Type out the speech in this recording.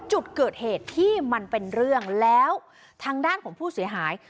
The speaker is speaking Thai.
จุดเกิดเหตุที่มันเป็นเรื่องแล้วทางด้านของผู้เสียหาย